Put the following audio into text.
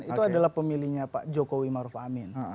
itu adalah pemilihnya pak jokowi maruf amin